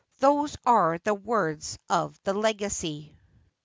' Those are the words of the legacy.'